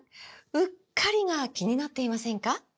“うっかり”が気になっていませんか？